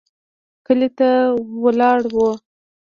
کلي ته ولاړو.